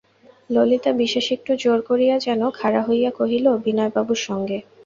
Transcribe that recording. ললিতা বিশেষ একটু জোর করিয়া যেন খাড়া হইয়া কহিল, বিনয়বাবুর সঙ্গে।